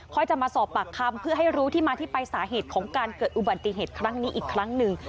จะมาสอบปากคำเพื่อให้รู้ที่มาที่ไปสาเหตุของการเกิดอุบัติเหตุครั้งนี้อีกครั้งหนึ่ง